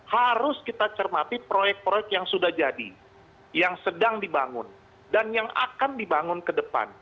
harus kita cermati proyek proyek yang sudah jadi yang sedang dibangun dan yang akan dibangun ke depan